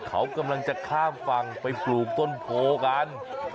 เขากำลังจะข้ามฝั่งไปปลูกต้นโพกัน